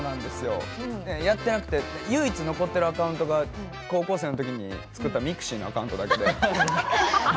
やってなくて唯一残ってるアカウントが高校生のときに作ったミクシーのアカウントだけで。